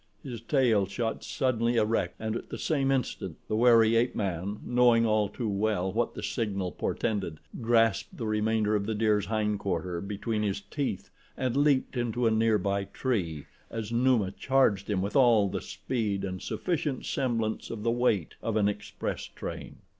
His tail shot suddenly erect and at the same instant the wary ape man, knowing all too well what the signal portended, grasped the remainder of the deer's hind quarter between his teeth and leaped into a nearby tree as Numa charged him with all the speed and a sufficient semblance of the weight of an express train.